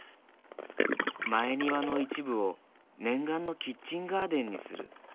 前庭の一部を念願のキッチンガーデンにする。